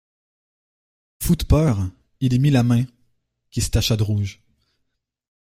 Fou de peur, il y mit la main, qui se tacha de rouge.